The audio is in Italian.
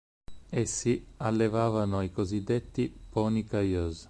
Essi allevavano i cosiddetti "pony Cayuse".